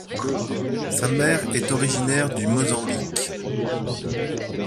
Sa mère est originaire du Mozambique.